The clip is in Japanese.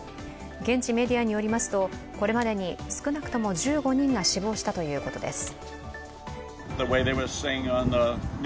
現地メディアによりますとこれまでに少なくとも１５人が死亡したということです。